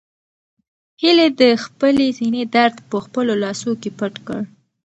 هیلې د خپلې سېنې درد په خپلو لاسو کې پټ کړ.